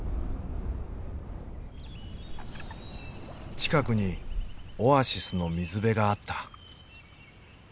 近くにオアシスの水辺があった。